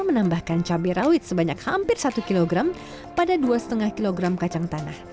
menambahkan cabai rawit sebanyak hampir satu kilogram pada dua lima kg kacang tanah